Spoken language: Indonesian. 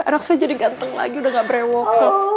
anak saya jadi ganteng lagi udah ga berewok